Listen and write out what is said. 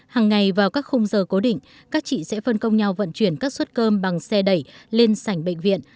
hàng ngày vào các khung giờ cố định các chị sẽ phân công nhau vận chuyển các suất cơm bằng xe đẩy lên sảnh bệnh viện